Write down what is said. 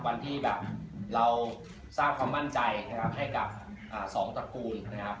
วันที่แบบเราสร้างความมั่นใจนะครับให้กับสองตระกูลนะครับ